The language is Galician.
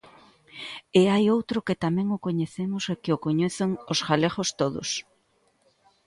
E hai outro que tamén o coñecemos e que o coñecen os galegos todos.